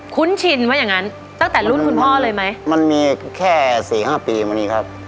ุ้นชินว่าอย่างงั้นตั้งแต่รุ่นคุณพ่อเลยไหมมันมีแค่สี่ห้าปีมานี้ครับ